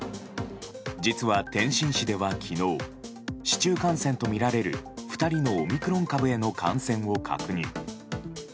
実は、天津市では昨日市中感染とみられる２人のオミクロン株への感染を確認。